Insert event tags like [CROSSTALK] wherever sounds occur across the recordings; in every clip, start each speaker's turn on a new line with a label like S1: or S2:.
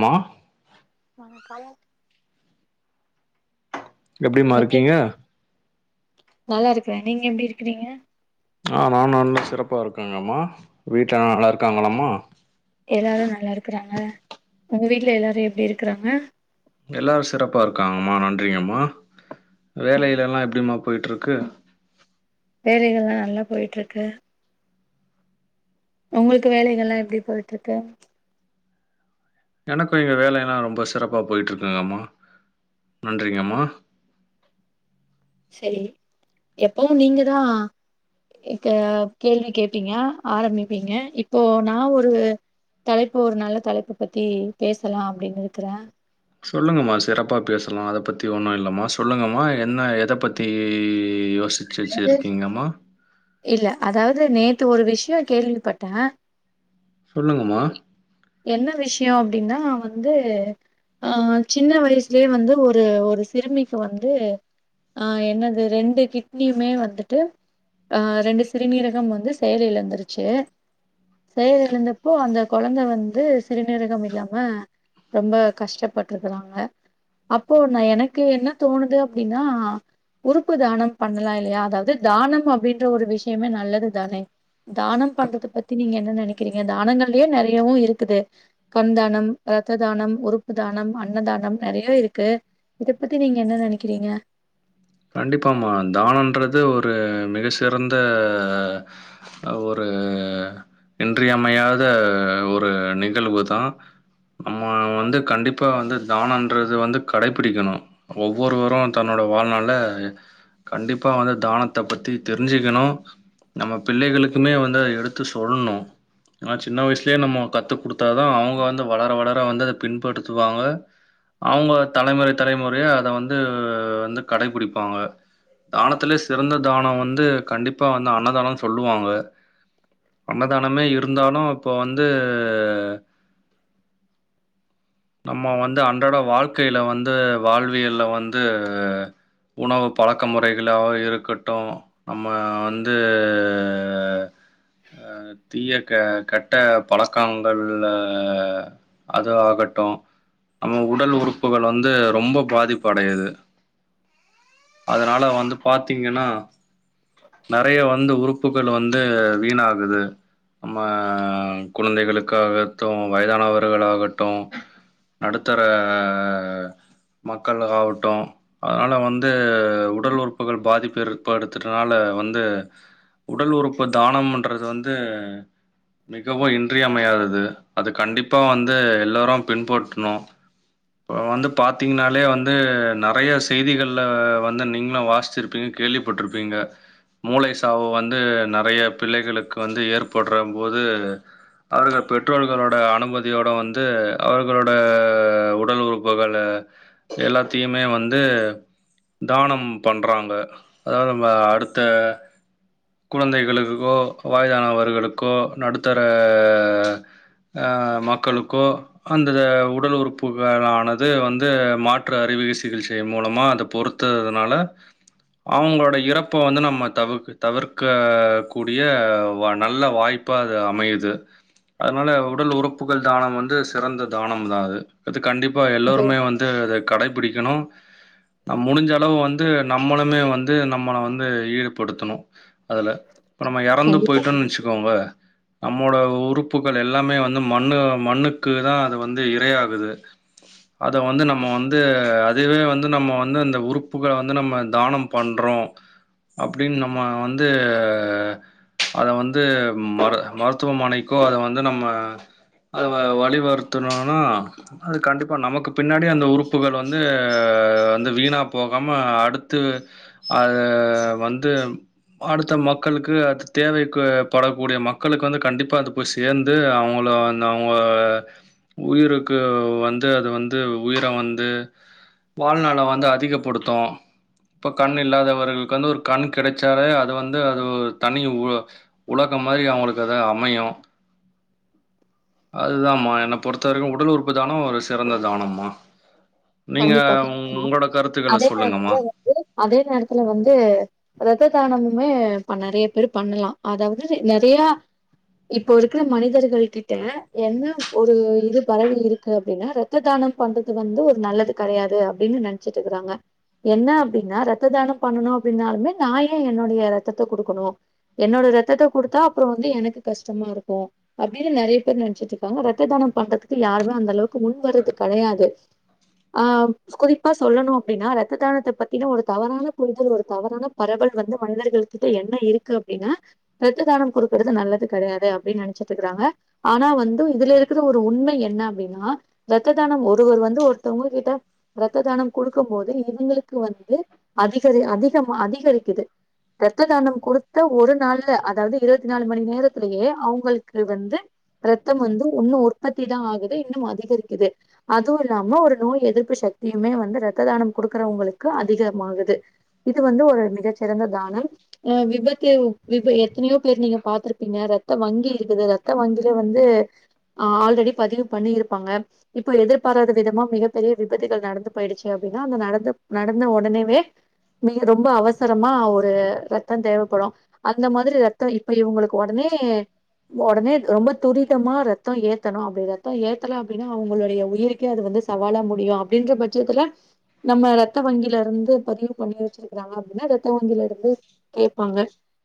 S1: மா
S2: வணக்கம்
S1: எப்டிமா
S2: எப்டி
S1: இருக்கீங்க
S2: நல்லா இருக்க நீங்க எப்டி இருக்குறீங்க
S1: அ நா நல்லா சிறப்பா இருக்கங்கம்மா வீட்லெல்லா நல்லா இருக்காங்களாம்மா
S2: எல்லாரு நல்லா இருக்குறாங்க உங்க வீட்ல எல்லாரு எப்டி இருக்குறாங்க
S1: எல்லாரு சிறப்பா இருக்காங்கம்மா நன்றிங்கம்மா வேலையிலெல்லா எப்டிமா போய்ட்ருக்கு
S2: வேலைகள்ல்லா நல்லா போய்ட்ருக்கு உங்களுக்கு வேலைகள்ல்லா எப்டி போய்ட்ருக்கு
S1: எனக்கு இங்க வேலயெல்லா ரொம்ப சிறப்பா போய்ட்ருக்குங்கம்மா நன்றிங்கம்மா
S2: செரி எப்பவு நீங்க தா க்க கேள்வி கேப்பீங்க ஆரம்பிப்பீங்க இப்போ நா ஒரு தலைப்பு ஒரு நல்ல தலைப்பு பத்தி பேசலா அப்டின் இருக்குற
S1: சொல்லுங்கம்மா சிறப்பா பேசலா அத பத்தி ஒன்னு இல்லம்மா சொல்லுங்கம்மா என்ன எத பத்தி யோசிச்சு
S2: அதாவ்து
S1: வச்சிருக்கீங்கம்மா
S2: இல்ல அதாவ்து நேத் து ஒரு விஷ்யோ கேள்விப்பட்ட
S1: சொல்லுங்கம்மா
S2: என்ன விஷ்யோ அப்டின்னா வந்து அ சின்ன வயசுலே வந்து ஒரு ஒரு சிறுமிக்கு வந்து ஆ என்னது ரெண்டு கிட் னியுமே வந்துட்டு அ ரெண்டு சிறுநீரகம் வந்து செயலிழந்துருச்சு செயல் இழுந்தப்போ அந்த கொழந்த வந்து சிறுநீரகம் இல்லாம ரொம்ப கஷ்டப்பட்டுருக்கறாங்க அப்போ நா எனக்கு என்ன தோணுது அப்டின்னா உறுப்பு தானம் பண்ணலா இல்லயா அதாவ்து தானம் அப்டின்ற ஒரு விஷ்யமே நல்லது தானே தானம் பண்றத பத்தி நீங்க என்ன நெனைக்கிறீங்க தானங்கள்லியே நெறையவு இருக்குது கண் தானம் ரத்த தானம் உறுப்பு தானம் அன்னதானம் நெறைய இருக்கு இத பத்தி நீங்க என்ன நெனைக்கிறீங்க
S1: கண்டிப்பாமா தானன்றது ஒரு மிக சிறந்த அ ஒரு இன்றியமையாத ஒரு நிகழ்வு தா நம்ம வந்து கண்டிப்பா வந்து தானன்றது வந்து கடைபிடிக்கணு ஒவ்வொருவரு தன்னோட வாழ்நாள் ல கண்டிப்பா வந்து தானத்த பத்தி தெரிஞ்சிக்கணு நம்ம பிள்ளைகளுக்குமே வந்து அத எடுத்து சொல்ணு ஏனா சின்ன வய்ஸ்லே நம்ம கத்து குடுத்தாதா அவுங்க வந்து வளர வளர வந்து அத பின்படுத்துவாங்க அவுங்க தலைமுறை தலைமுறையா அத வந்து வந்து கடைபிடிப்பாங்க தானத்துலே சிறந்த தானோ வந்து கண்டிப்பா வந்து அன்னதானோன் சொல்லுவாங்க அன்னதானமே இருந்தாலு இப்போ வந்து நம்ம வந்து அன்றாட வாழ்க்கையில வந்து வாழ்வியல்ல வந்து உணவு பழக்க முறைகளாவ இருக்கட்டு நம்ம வந்து அ தீய க கெட்ட பழக்கங்கள்ல அது ஆகட் ட்ரு நம்ம உடல் உறுப்புகள் வந்து ரொம்பௌ பாதிப்படையுது அதனால வந்து பாத்தீங்கன்னா நெறைய வந்து உறுப்புகள் வந் து வீணாகுது நம்ம குழந்தைகளுக்காகத்து வயதானவர்களாகட்டு நடுத்தர மக்கள் ஆகட்டு அதனால வந்து உடல் உறுப்புகள் பாதிப்பு ஏற்படுத்துறனால வந்து உடல் உறுப்பு தானம்ன்றது வந்து மிகவும் இன்றியமையாதது அது கண்டிப்பா வந்து எல்லாரு பின்பற்றணு இப்ப வந்து பாத்தீங்னாலே வந்து நெறய செய்திகள்ல வந்து நீங்களு வாசிச்சிருப்பீங் கேள்விப்பட்டிருப்பீங்க மூளை சாவு வந்து நெறய பிள்ளைகளுக்கு வந்து ஏற்படுற போது அவர்க பெற்றோர்களோட அனுமதியோட வந்து அவர்களோட உடல் உறுப்புகள் எல்லாத்தையுமே வந்து தானம் பண்றாங்க அதாவது நம்ப அடுத்த குழந்தைகளுக்கோ வயதானவர்களுக்கோ நடுத்தர ஆ மக்களுக்கோ அந்த உடல் உறுப்புகளானது வந்து மாற்று அறிவிய சிகிச்சை மூலமா அத பொறுத் ததுனால அவங்களோட இறப்ப வந்து நம்ம தவிக் தவிர்க்க கூடிய நல்ல வாய்ப் ப்ப அது அமையது அதனால உடல் உறுப்புகள் தானம் வந்து சிறந்த தானம் தா அது அது கண்டிப்பா
S2: அது
S1: எல்லோருமே வந்து அத கடைபிடிக்கணு நம் முடிஞ்ச அளவு வந்து நம்மளுமே வந்து நம்மள வந்து ஈடுபடுத்தணு அதுல இப்ப நம்ம எறந்து
S2: கண்டிப்பா.
S1: போயிட்டோன் வச்சுக்கோங்க நம்மோட உறுப்புகள் எல்லாமே வந்து மண்ணு மண்ணுக் க்கு தா அது வந்து இரையாகுது அத வந்து நம்ம வந்து அதுவே வந்து நம்ம வந்து அந்த உறுப்புகள வந்து நம்ம தானம் பண்றோ ம் அப்டின்னு நம்ம வந்து அத வந்து மரு மருத்துவமனைக்கு அத வந்து நம்ம அத வ வழிவருத்தணனா அது கண்டிப்பா நமக்கு பின்னாடி அந்த உறுப்புகள் வந்து வந்து வீண் ணா போகாம அடுத்து அது வந்து அடுத்த மக்களுக்கு அது தேவைகு படகூடிய மக்களுக்கு வந்து கண்டிப்பா அது போய் சேந்து அவங்களு அப்புற வந்து அவங்க உயிருக்கு வந்து அது வந்து உயிர வந்து வாழ்நாள வந்து அதிகப்படுத்து இப்ப கண் இல்லாதவர்களுக்கு வந்து ஒரு கண் கிடச்சாலே அது வந்து அது தனி உலக மாரி அவங்களுக்கு அத அமையு அதுதா மா என்ன பொறுத்த வரைக்கு உடல் உறுப்பு தான ஒரு சிறந்த தானமா
S2: கண்டிப்பா கண்டிப்பா அதே
S1: சொல்லுங்கம்மா
S2: நேரத்துல வந்து அதே நேரத்துல வந்து அதாது த்த தானமுமே நெறய பேரு பண்ணலா அதாவது நெறய இப்போ இருக்கிற மனிதர்கள் கிட்ட என்ன ஒரு இது பரவி இருக்கு அப்டின்னா ரத்த தான னம் பண்றது வந்து ஒரு நல்லது கெடையாது அப்டின்னு நெனச்சிட்டு இருக்கறாங்க என்ன அப்டின்னா ரத்த தானம் பண்ணணு அப்டின்னாலுமே நா எ என்னுடைய ரத்தத்த குடுக்கணு என்னோட ரத்தத்த குடுத்தா அப்புற வந்து எனக்கு கஷ்டமா இருக்கு அப்டின்னு நெறய பேர் நெனச்சிட்டு இருக்காங்க ரத்த தான பண்றது யாருமே அந்த அளவுக்கு முன்வரது கெடையாது ஆ குறிப்பா சொல்லணு அப்டின்னா ரத்த தானத்த பத்தின ஒரு தவறான புரிதல் ஒரு தவறான பரவல் வந்து மனிதர்கள் கிட்ட என்ன இருக்கு அப்டின்னா ரத்த தானம் கொடுக்கிறது நல்லது கெடையாது அப்டின்னு நினைச்சிட்ருக் ங்க ஆனா வந்து இதுல இருக்கிற ஒரு உண்மை என்ன அப்டின்னா ரத்த தானம் ஒருவர் வந்து ஒரு த்தவங்க கிட்ட ரத்த தானம் கொடுக்கும் போது இவங்களுக்கு வந்து அதிகரி அதிகம் அதிகரி கிது ரத்த தானம் கொடுத்த ஒரு நாள்ல அதாவது இருவத்தி நாலு மணி நேரத்திலயே அவங்களுக்கு வந்து ரத்தம் வந்து வுன்னு உற்பத்தி தா ஆகுது இன்னும் அதிகரிக்குது அதுவும் இல்லாம ஒரு நோய் எதிர்ப்பு சக்தியுமே வந்து ரத்த தானம் கொடுக்கறவங்களுக்கு அதிகமாகுது இது வந்து ஒரு மிகச் சிறந்த தானம் விபத்த விப எத்தனையோ பேர் நீங்க பாத்துருப்பீங்க ரத்த வங்கி இருக்குது ரத்த ரத்த வங்கியிலே வந்து ஆ ஆல்ரெடி பதிவு பண்ணி இருப்பாங்க இப்போ எதிர்பாராத விதமா மிகப் பெரிய விபத்திகள் நடந்து போயிடுச்சு அப்டின்னா அந்த நடந்தப் நடந்த ஒடனேவே மிக ரொம்ப அவசரமா ஒரு ரத்த தேவப்படு அந்த மாதிரி ரத்த இப்ப இவுங்களுக்கு ஒடனே னே ஒடனே ரொம்ப துரிதமா ரத்த ஏத்தணு அப்டி ரத்த ஏத்தல அப்டின்னா அவுங்களுடைய உயிருக்கே அது வந்து சவாலா முடியு அப்டின்ற பட்சத்துல நம்ம ரத்த வங்கில இருந்து பதிவு பண்ணி வச்சிருக்கறாங்க அப்டின்னா ரத்த வங்கில இருந்து கேப்பாங்க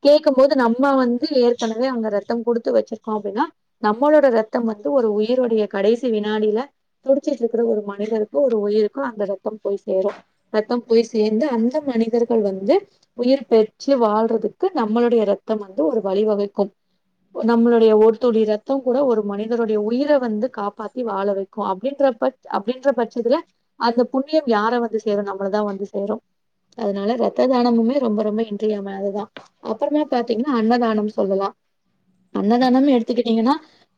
S2: கேக்கும்போது நம்ம வந்து ஏற்கனவே அங்க ரத்தம் குடுத்து வச்சிருக்கோ அப்டின்னா நம்மளோட ரத்தம் வந்து ஒரு உயிரோடைய கடைசி வினாடியில துடிச்சிட்ருக் கிற ஒரு மனிதருக்கு ஒரு உயிருக்கு அந்த ரத்தம் போய் சேரும் ரத்தம் போய் சேந்து அந்த மனிதர்கள் வ ந்து உயிர் பெற்று வாழ்றதுக்கு நம்மளுடைய ரத்தம் வந்து ஒரு வழிவகுக்கும் நம்மளுடைய ஒரு துளி ரத்தம் கூட ஒரு மனிதருடைய உயிர வந்து காப்பாத்தி வாழ வைக்கு அப்டின்றப்ப அப்டின்ற பட்சத்துல அந்த புண்ணியம் யார வந்து சேரும் நம்மளதா வந்து சேரும் அதனால ரத்த தானமுமே ரொம்ப ரொம்ப இன்றியமையாததுதா அப்பறமே பாத்தீங்கன்னா அன்னதானம் சொல்லலா அன்னதானம்னு எடுத்துக்கிட்டீங்கன்னா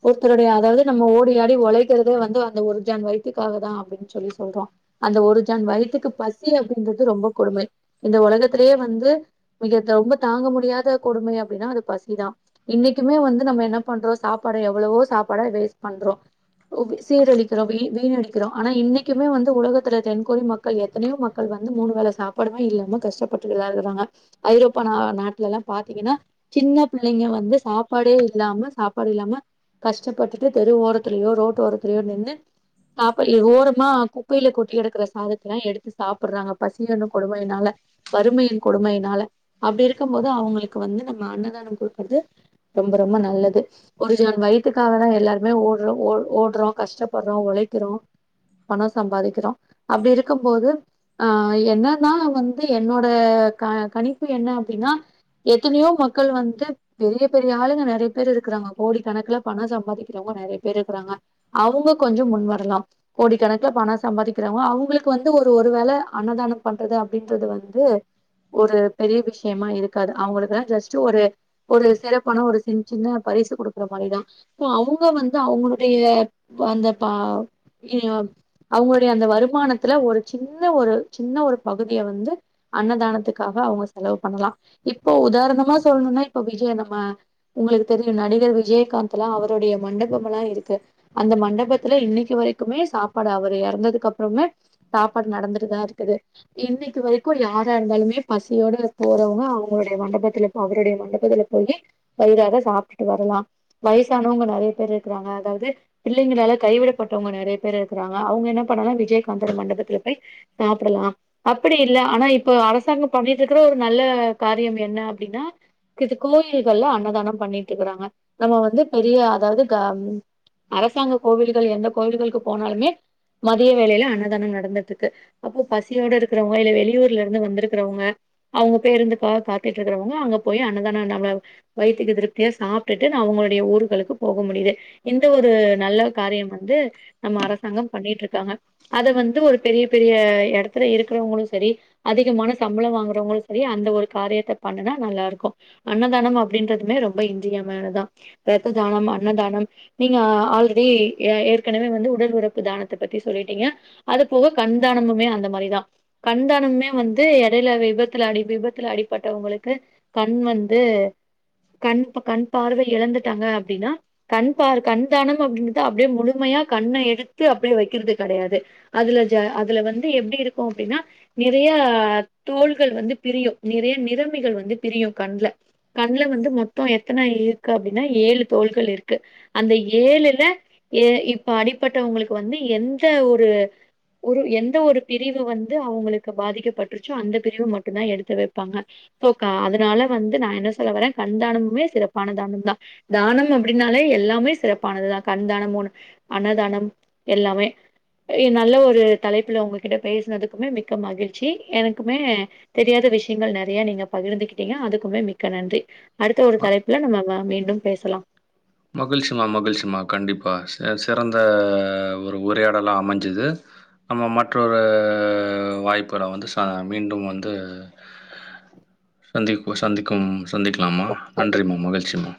S2: ஒருத்தருடைய அதாவது நம்ம ஓடி ஆடி ஒழைக்கிறதே வந்து அந்த ஒரு ஜான் வயி த்துக்காகதா அப்டின்னு சொல்லி சொல்றோ அந்த ஒரு ஜான் வயித்துக்கு பசி அப்டின்றது ரொம்ப கொடுமை இந்த ஒலகத்துலேயே வந்து மிக த ரொம்ப தாங்க முடியாத கொடுமை அப்டின்னா அது பசிதா இன்னைக்குமே வந்து நம்ம என்ன பண்றோ சாப்பாட எவ்வளவோ சாப்பாட வேஸ்ட் பண் றோ ஓகே சீரழிக்கிறோ வீ வீணடிக்கிறோ ஆனா இன்னைக்குமே வந்து உலகத்துல தென்கொரி மக்கள் எத்தனையோ மக்கள் வந்து மூனு வேல சாப்பாடுமே இல்லா ம கஷ்டப்பட்டுட்டுதா இருக்குறாங்க ஐரோப்பா நா நாட்லல்லாம் பாத்தீங்கன்னா சின்னப் பிள்ளைங்க வந்து சாப் பாடே இல்லாம சாப்பாடு இல்லாம கஷ்டப்பட்டுட்டு தெரு ஓரத்துலயோ ரோட்டோரத்துலயோ நின்னு சாப்ப ஏ ஓரமா குப்பையில கொட்டிக் கெடக்கற சாதத்தல்லா எடுத்து சாப்புட்றாங்க பசியென்னு கொடுமையினால வறுமையின் கொடுமையினால அப்டி இருக்கும் போது அவுங்களுக்கு வந்து நம்ம அன்னதானம் கொடுக்குறது ரொம் ரொம்ப ரொம்ப நல்லது ஒரு ஜான் வயித்துக்காகதா எல்லாருமே ஓட்றோ ஓட் ஓட்றோ கஷ்டப்பட்றோ ஒழை க்கிறோ பண சம்பாதிக்கிறோ அப்டி இருக்கும் போது ஆ என்னன்னா வந்து என்னோட க கணிப்பு என்ன அப்டின்னா எத்தனையோ மக்கள் வந்து பெரிய பெரிய ஆளுங்க நெறைய பேர் இருக்குறாங்க கோடிக் கணக்குல பண சம்பாதிக்கிறவங்க நெறைய பேர் இருக்குறாங்க அவுங்க கொஞ்ச முன் வர் லாம் கோடிக்கணக்குல பண சம்பாதிக்கிறவங்க அவுங்களுக்கு வந்து ஒரு ஒரு வேள அன்னதானம் பண்றது அப்டின்றது வ வந்து ஒரு பெரிய விஷயமா இருக்காது அவுங்களுக்கெல்லா ஜஸ்ட்டு ஒரு ஒரு சிறப்பான ஒரு சின் சின்ன பரிசு கொடுக்கற மாரிதா சோ அவுங்க வந்து அவுங்களுடைய அந்த பா [UNINTELLIGIBLE] அவுங்க அந்த வருமானத்துல ஒரு சின்ன ஒரு சின்ன ஒரு பகுதிய வந்து அன்னதானத்துக்காக அவுங்க ச செலவு பண்ணலா இப்போ உதாரணமா சொல்ணுன்னா இப்ப விஜய நம்ம உங்களுக்கு தெரியு நடிகர் விஜயகா ந்த்லா அவருடைய மண்டபம்லா இருக்கு அந்த மண்டபத்துல இன்னைக் கு வரைக்குமே சாப்பாடு அவரு எறந்ததுக்கு அப்புறமே சாப்பாடு நடந்துட்டுதா இரு க்குது இன்னைக்கு வரைக்கு யாரா இருந்தாலுமே பசியோட போறவங்க அவுங்களுடைய மண்டபத்துல இப்ப அவருடைய மண்டபத்துல போயி வயிறார சாப்ட்டுட்டு வரலா வயசானவங்க நெறைய பேர் இருக்குறாங்க அதாவது பிள்ளைங்களால கைவிடப் பட்டவங்க நெறைய பேர் இருக்குறாங்க அவுங்க என்ன பண்ணலா விஜயகாந்தோட மண்டபத்துல போய் சாப்புடலா அப்டி இல்ல ஆனா இப்போ அரசாங்கம் பண்ணிட்ருக்குற ஒரு நல்ல காரியம் என்ன அப்டின்னா இது கோயில்கள்லா அன்னதானம் பண்ணிட்ருக்குறாங்க நம்ம வந்து பெரிய அதாவது க அரசாங்க கோவில்கள் எந்தக் கோயில்களுக்கு போனாலுமே மதிய வேளையில அன்னதான நடந்துட்ருக்கு அப்போ பசியோட இருக்குறவங்க இல்ல வெளியூர்லேருந்து வந்துருக்கிறவங்க அவுங்க பேருந்துக்காக காத் துட்ருக்குறவங்க அங்க போய் அன்னதான நல்லா வயித்துக்கு திருப்தியா சாப்ட்டுட்டுனா அவுங்களுடைய ஊருகளுக்கு போக முடியு து இந்த ஒரு நல்ல காரியம் வந்து நம்ம அரசாங்கம் பண்ணிட்ருக்காங்க அத வந்து ஒரு பெரிய பெரிய எடத்துல இருக்குறவுங்ளும் செரி அதிகமான சம்பளம் வாங்குறவுங்ளு செரி அந்த ஒரு காரியத்த பண்ணுனா நல்லா இருக்கு அன்னதானம் அப்டின்றதுமே ரொம்ப இன்றியமானதா ரத்த தானம் அன்னதானம் நீங்க அ ஆல்ரெடி எ ஏற் கனவே வந்து உடல் உறுப்பு தானத்த பத்தி சொல்லிட்டிங்க அது போக கண்தானமுமே அந்த மாரி தா கண்தா முமே வந்து எடையில விபத்துல அடி விபத்துல அடிப்பட்டவங்ளுக்கு கண் வந்து கண் ப்ப கண் பார்வை இழந்துட்டாங்க அப்டினா கண் பார் கண் தானம் அப்டினது அப்டியே முழு மையா கண்ணே எடுத்து அப்டியே வெக்கறது கெடையாது அதுல ஜ அதுல வந்து எப்டி இருக்கு அப்டினா நிறைய தோள்கள் வந்து பிரியு நிறைய நிறமிகள் வந்து பிரியு கண்ல கண்ல வ ந்து மொத்தோ எத்தன இருக்கு அப்டினா ஏழு தோள்கள் இருக்கு அந்த ஏழுல ஏ இப்ப அடிப்பட்டவங்ளுக்கு வந்து எந்த ஒரு ஒரு எந்த ஒரு பிரிவு வந்து அவுங்ளுக்கு பாதிக்கப்பட்டுருச்சோ அந்த பிரிவு மட்டுந்தா எடுத்து வெப்பாங்க இப்போ அதனால வந்து நா என்ன சொல்ல வர்றே கண் தானமுமே சிறப்பான தானம் தா தானம் அப்டினாலே எல்லாமே சிறப்பானதுதா கண் தானம் அன்னதானம் எல்லாமே எ நல்ல ஒரு தலைப்புல உங்ககிட்ட பேசனதுக்குமே மிக்க மகிழ்ச்சி எனக்குமே தெரியாத விஷ்யங்கள் நெறைய நீங்க பகிர்ந்துகிட்டிங்க அதுக்குமே மிக்க நன்றி அடுத்த ஒரு தலைப்புல நம்ம மீண்டும் பேசலா
S1: மகிழ்ச்சிமா மகிழ்ச்சிமா கண்டிப்பா சிறந்த ஒரு உரையாடலா அமஞ்சது நம்ம மற்றொரு வாய்ப்புள வந்து ச மீண்டும் வந்து சந்திக்கு சந்திக்கும் சந்திக்லாமா நன்றிம்மா மகிழ்ச்சிமா